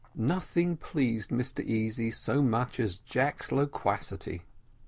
Nothing pleased Mr Easy so much as Jack's loquacity.